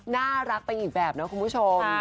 น่ารักไปอีกแบบนะคุณผู้ชม